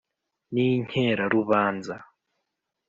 N‘inkerarubanza;